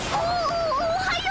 おはよう。